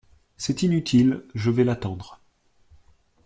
C’est inutile… je vais l’attendre…